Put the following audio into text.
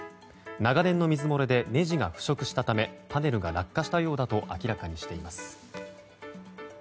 長年の水漏れでねじが腐食したためパネルが落下したようだと明らかにしています。